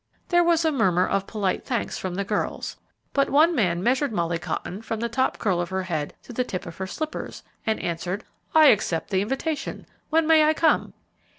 There was a murmur of polite thanks from the girls, but one man measured Molly Cotton from the top curl of her head to the tip of her slippers, and answered, "I accept the invitation. When may I come?"